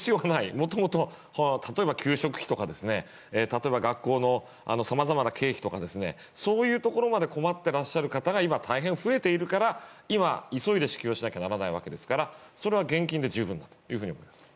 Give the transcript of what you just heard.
もともと例えば、給食費とか例えば学校のさまざまな経費とかそういうところまで困ってらっしゃる方が今、大変増えているから今、急いで支給をしなきゃならないわけですからそれは現金で十分だと思います。